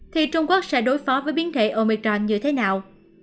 thì trung quốc sẽ đối phó với biến thể omiton như thế nào